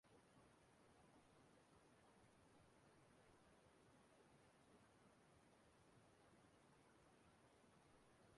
Dịka onye isi oche, ọ ghọrọ onye isi oche nke International Council of Women.